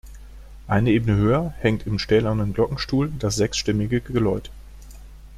Eine Ebene höher hängt im stählernen Glockenstuhl das sechsstimmige Geläut.